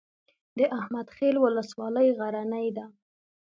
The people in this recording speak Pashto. د احمد خیل ولسوالۍ غرنۍ ده